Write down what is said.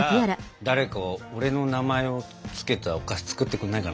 誰か俺の名前を付けたお菓子作ってくんないかな。